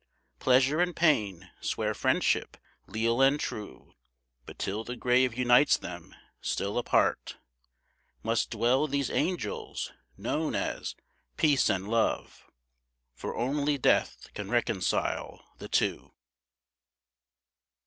Pleasure and Pain swear friendship leal and true: But till the grave unites them, still apart Must dwell these angels known as Peace and Love. For only Death can reconcile the two.